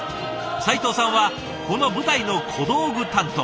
齊藤さんはこの舞台の小道具担当。